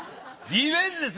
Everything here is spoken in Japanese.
リベンジ！